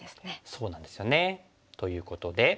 そうなんですよね。ということで。